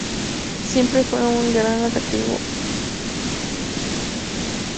Siempre fue un gran atractivo cargado de misterio.